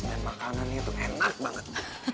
dan makanan itu enak banget